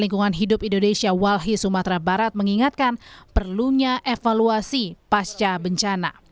lingkungan hidup indonesia walhi sumatera barat mengingatkan perlunya evaluasi pasca bencana